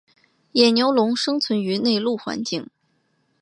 野牛龙生存于内陆环境。